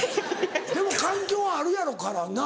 でも環境はあるやろからな。